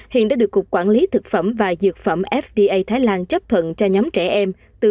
hiện đã được cục quản lý thực phẩm và dược phẩm fda thái lan chấp thuận cho nhóm trẻ em từ một mươi hai tuổi